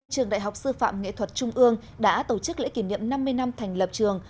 trường đại học sư phạm nghệ thuật trung ương đã tổ chức lễ kỷ niệm năm mươi năm thành lập trường